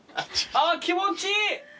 あ気持ちいい！